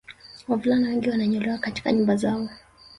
Wavulana wengi wananyolewa katika nyumba zao